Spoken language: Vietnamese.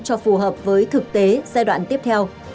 cho phù hợp với thực tế giai đoạn tiếp theo